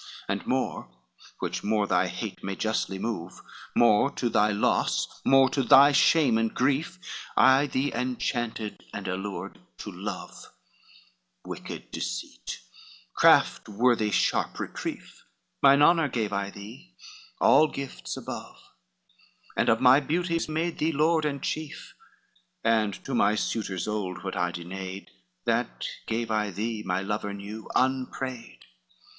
XLV "And more, which more thy hate may justly move, More to thy loss, more to thy shame and grief, I thee inchanted, and allured to love, Wicked deceit, craft worthy sharp reprief; Mine honor gave I thee all gifts above, And of my beauties made thee lord and chief, And to my suitors old what I denayed, That gave I thee, my lover new, unprayed.